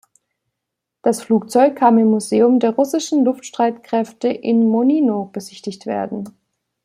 Das Flugzeug kann im Museum der russischen Luftstreitkräfte in Monino besichtigt werden.